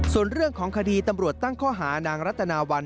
ส่วนเรื่องของคดีตำรวจตั้งข้อหานางรัตนาวัน